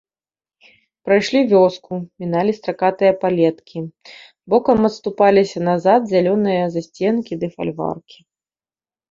Прайшлі вёску, міналі стракатыя палеткі, бокам адступаліся назад зялёныя засценкі ды фальваркі.